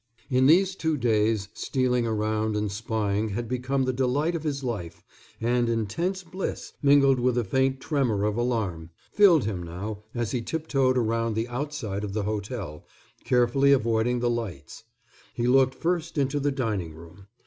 In these two days, stealing around and spying had become the delight of his life, and intense bliss, mingled with a faint tremor of alarm, filled him now as he tiptoed around the outside of the hotel, carefully avoiding the lights. He looked first into the dining room.